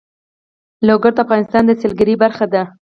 لوگر د افغانستان د سیلګرۍ برخه ده.